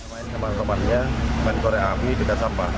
main teman temannya main korek api juga sampah